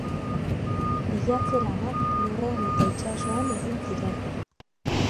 Bilatze lanak lurrean eta itsasoan egin ziren.